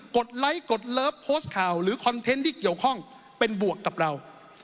ดไลค์กดเลิฟโพสต์ข่าวหรือคอนเทนต์ที่เกี่ยวข้องเป็นบวกกับเรา